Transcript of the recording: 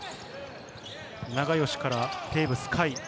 永吉からテーブス海。